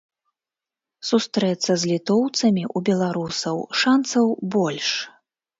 Сустрэцца з літоўцамі ў беларусаў шанцаў больш.